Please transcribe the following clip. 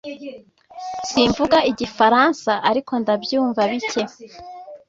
Simvuga Igifaransa ariko ndabyumva bike